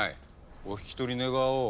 お引き取り願おう。